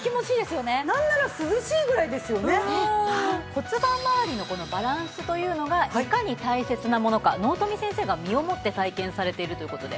骨盤まわりのこのバランスというのがいかに大切なものか納富先生が身をもって体験されているという事で。